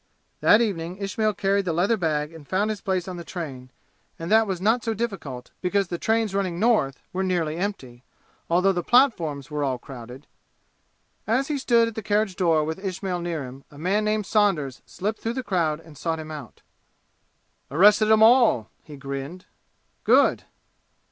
That evening Ismail carried the leather bag and found his place on the train, and that was not so difficult, because the trains running North were nearly empty, although the platforms were all crowded. As he stood at the carriage door with Ismail near him, a man named Saunders slipped through the crowd and sought him out. "Arrested 'em all!" he grinned. "Good."